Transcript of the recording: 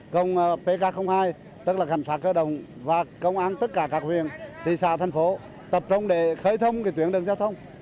cùng pk hai tức là cảnh sát cơ đồng và công an tất cả các huyền tỉ xa thành phố tập trung để khởi thông cái tuyến đường giao thông